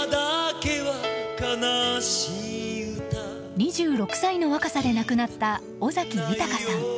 ２６歳の若さで亡くなった尾崎豊さん。